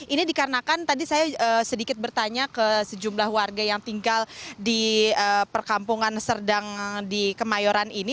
ini dikarenakan tadi saya sedikit bertanya ke sejumlah warga yang tinggal di perkampungan serdang di kemayoran ini